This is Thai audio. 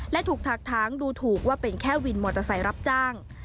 และถูกถักทางดูถูกว่าเป็นแค่วินมอเตอร์ไซค์รับจ้าง